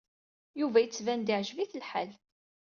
Yuba yettban-d yeɛjeb-it lḥal.